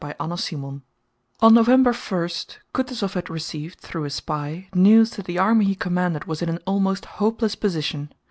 CHAPTER XIV On November 1 Kutúzov had received, through a spy, news that the army he commanded was in an almost hopeless position.